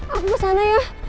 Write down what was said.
aku kesana ya